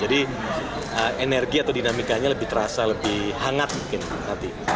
jadi energi atau dinamikanya lebih terasa lebih hangat mungkin nanti